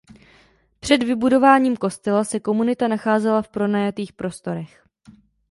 Před vybudováním kostela se komunita scházela v pronajatých prostorech.